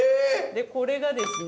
でこれがですね